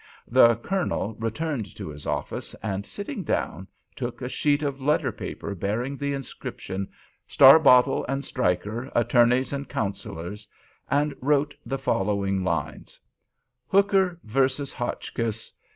The Colonel returned to his office, and sitting down, took a sheet of letter paper bearing the inscription "Starbottle and Stryker, Attorneys and Counsellors," and wrote the following lines: Hooker versus Hotchkiss.